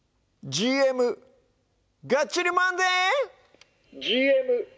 ＧＭ「がっちりマンデー！！」